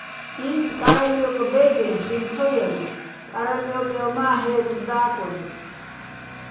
ინც კარალიოკ ბე́დეჼ ხილ ცო ჲაგე̆, პარალიოკევ მა́ ჰე́რწო̆ და́კოდო̆.